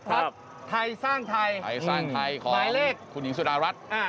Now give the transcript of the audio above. ครับภักดิ์ไทยสร้างไทยหมายเลขไทยสร้างไทยของคุณหญิงสุดารัฐ